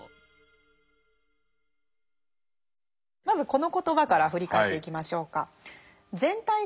まずこの言葉から振り返っていきましょうか。